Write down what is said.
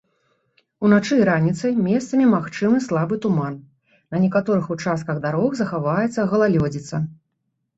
Уначы і раніцай месцамі магчымы слабы туман, на некаторых участках дарог захаваецца галалёдзіца.